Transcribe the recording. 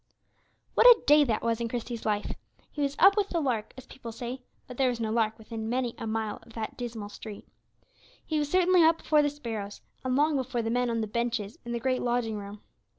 What a day that was in Christie's life! He was up with the lark, as people say, but there was no lark within many a mile of that dismal street. He was certainly up before the sparrows, and long before the men on the benches in the great lodging room.